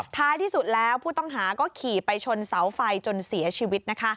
ท้ายที่สุดแล้วผู้ต้องหาก็ขี่ไปชนเสาไฟจนเสียชีวิต